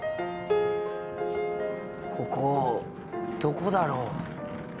ここどこだろう。